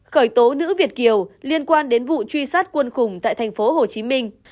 khởi tố nữ việt kiều liên quan đến vụ truy sát quân khủng tại thành phố hồ chí minh